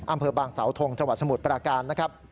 อำเภอบางเสาทงจสมุทรประการนะครับ